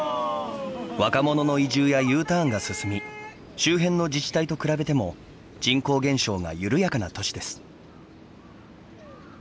若者の移住やＵターンが進み周辺の自治体と比べても人口減少が緩やかな都市です。